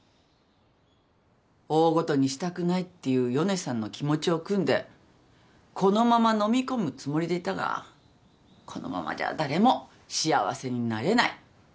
大ごとにしたくないっていうヨネさんの気持ちを酌んでこのままのみ込むつもりでいたがこのままじゃ誰も幸せになれない。